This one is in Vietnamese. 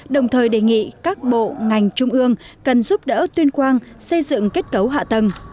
đồng thời đề nghị các bộ ngành trung ương cần giúp đỡ tuyên quang xây dựng kết cấu hạ tầng